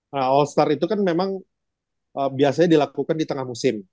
nah all star itu kan memang biasanya dilakukan di tengah musim